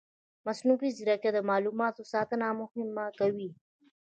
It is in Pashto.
مصنوعي ځیرکتیا د معلوماتو ساتنه مهمه کوي.